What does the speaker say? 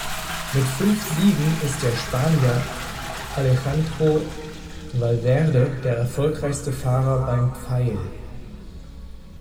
Mit fünf Siegen ist der Spanier Alejandro Valverde der erfolgreichste Fahrer beim "Pfeil".